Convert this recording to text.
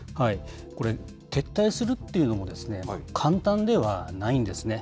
これ、撤退するっていうのも簡単ではないんですね。